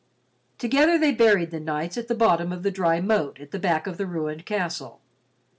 Together they buried the knights at the bottom of the dry moat at the back of the ruined castle.